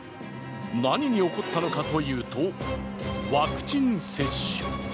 何に怒ったのかというとワクチン接種。